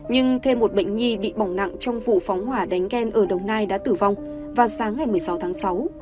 nhưng thêm một bệnh nhi bị bỏng nặng trong vụ phóng hỏa đánh ghen ở đồng nai đã tử vong vào sáng ngày một mươi sáu tháng sáu